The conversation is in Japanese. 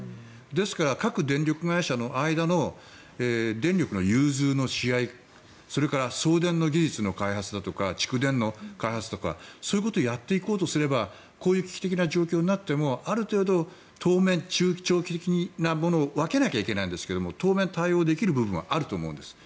ですから、各電力会社の間の電力の融通のし合いそれから送電の技術の開発だとか蓄電の開発とかそういうことをやっていこうとすればこういう危機的な状況になってもある程度、中長期的な対応も分けなきゃいけないんですが当面、対応できる部分はあると思うんです。